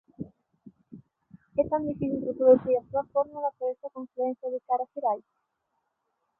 É tan difícil reproducir a súa fórmula para esta confluencia de cara ás xerais?